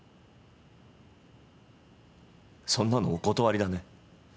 そんなのお断りだね。